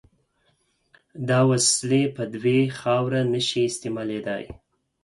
دا وسلې په دوی خاوره نشي استعمالېدای.